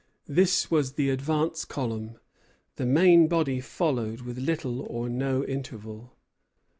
This was the advance column. The main body followed with little or no interval.